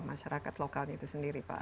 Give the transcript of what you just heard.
masyarakat lokalnya itu sendiri pak